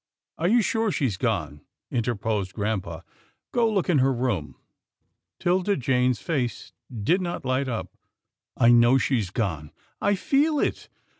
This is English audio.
"Are you sure she's gone?" interposed grampa. " Go look in her room." 'Tilda Jane's face did not light up. I know she's gone. I feel it.